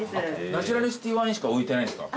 ナチュラルシティワインしか置いてないんですか？